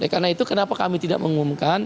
karena itu kenapa kami tidak mengumumkan